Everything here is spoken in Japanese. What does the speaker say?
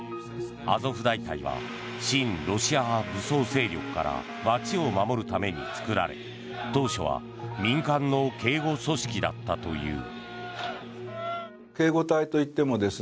アゾフ大隊は親ロシア派武装勢力から街を守るために作られ当初は、民間の警護組織だったという。